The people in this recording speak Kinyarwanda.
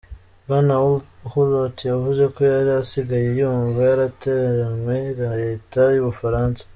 Bwana Hulot yavuze ko yari asigaye yumva "yaratereranwe" na leta y'Ubufaransa.